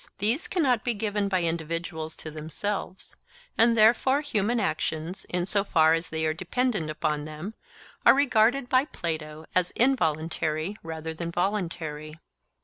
These cannot be given by individuals to themselves; and therefore human actions, in so far as they are dependent upon them, are regarded by Plato as involuntary rather than voluntary.